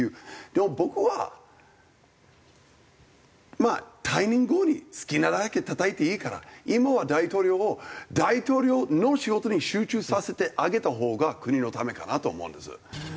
でも僕はまあ退任後に好きなだけたたいていいから今は大統領を大統領の仕事に集中させてあげたほうが国のためかなと思うんです。